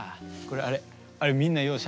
これあれみんなよう